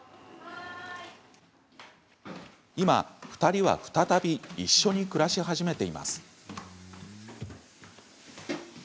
今、２人は再び一緒に暮らし始めています。